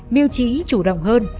miêu trí chủ động hơn